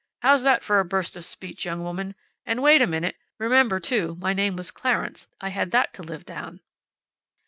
How's that for a burst of speech, young woman! And wait a minute. Remember, too, my name was Clarence. I had that to live down."